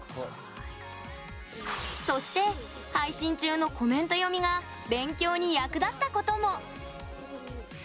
そして、配信中のコメント読みが勉強に役立ったことも。